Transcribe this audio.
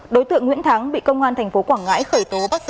đối tượng nguyễn thắng bị công an thành phố quảng ngãi khởi tố bắt giữ